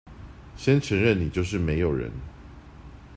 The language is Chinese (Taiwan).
先承認你就是沒有人